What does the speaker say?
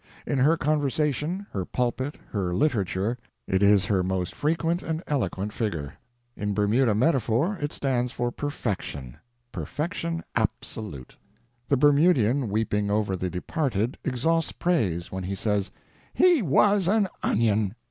In her conversation, her pulpit, her literature, it is her most frequent and eloquent figure. In Bermuda metaphor it stands for perfection perfection absolute. The Bermudian weeping over the departed exhausts praise when he says, "He was an onion!"